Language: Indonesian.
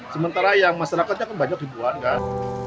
sementara yang masyarakatnya kan banyak ribuan